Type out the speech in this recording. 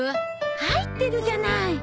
入ってるじゃない。